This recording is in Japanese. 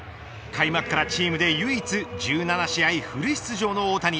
開幕からチームで唯一１７試合フル出場の大谷。